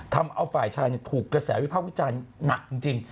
ทำเอาฝ่ายชายเนี่ยถูกกระแสวิภาพวิจัยหนักจริง